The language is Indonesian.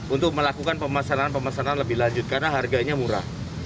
untuk melakukan pemasanan pemasanan lebih lanjut karena harganya murah